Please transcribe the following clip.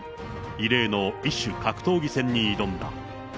異例の異種格闘技戦に挑んだ。